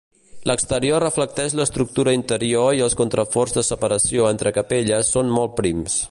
L'exterior reflecteix l'estructura interior i els contraforts de separació entre capelles són molt prims.